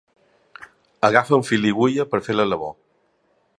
Agafen fil i agulla per fer la labor.